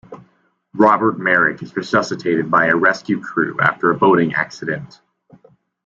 Robert Merrick is resuscitated by a rescue crew after a boating accident.